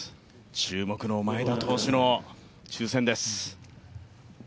注目の前田投手の抽選です。